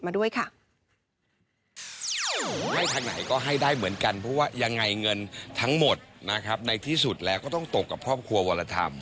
ไม่ทันไหนก็ให้ได้เหมือนกันเพราะว่ายังไงเงินทั้งหมดนะครับในที่สุดแล้วก็ต้องตกกับครอบครัววรธรรม